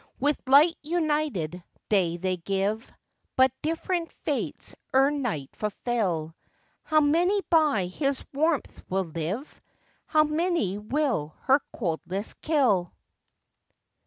With light united, day they give, But different fates ere night fulfil; How many by his warmth will live! How many will her coldness kill!